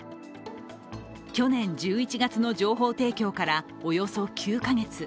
去年１１月の情報提供からおよそ９か月。